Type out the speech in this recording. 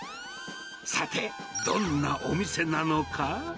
さて、どんなお店なのか。